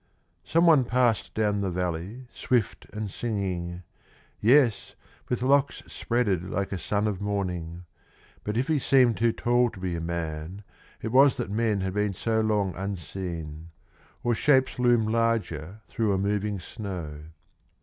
Someone passed down the valley swift and singing, Yes, with locks spreaded like a son of morning; But if he seemed too tall to be a man It was that men had been so long unseen, Or shapes loom larger through a moving snow.